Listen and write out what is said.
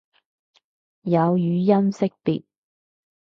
有語音識別